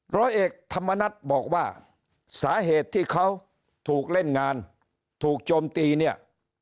ร้อยเอกธรรมนัฏบอกว่าสาเหตุที่เขาถูกเล่นงานถูกโจมตีเนี่ย